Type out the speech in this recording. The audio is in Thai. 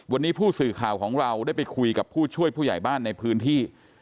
วันนี้ผู้สื่อข่าวของเราได้ไปคุยกับผู้ช่วยผู้ใหญ่บ้านในพื้นที่